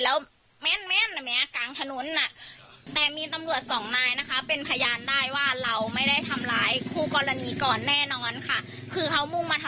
แล้วแม่นแม่นอ่ะไหมอ่ะกลางถนนอ่ะแต่มีตำรวจสองนายนะคะ